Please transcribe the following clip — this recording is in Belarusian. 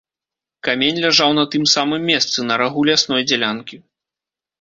Камень ляжаў на тым самым месцы, на рагу лясной дзялянкі.